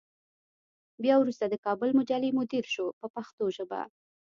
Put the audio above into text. بیا وروسته د کابل مجلې مدیر شو په پښتو ژبه.